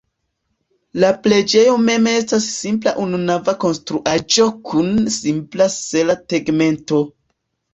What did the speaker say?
La preĝejo mem estas simpla ununava konstruaĵo kun simpla sela tegmento.